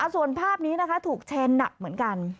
ส่วนภาพนี้นะคะถูกแชร์หนักเหมือนกัน